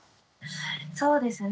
そうですね